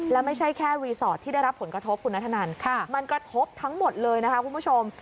แล้วไม่ใช่แค่รีสอร์ทที่ได้รับผลกระทบคุณนัทธนันมันกระทบทั้งหมดเลยนะคะคุณผู้ชม